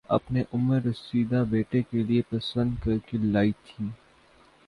اپنے عمر رسیدہ بیٹے کےلیے پسند کرکے لائی تھیں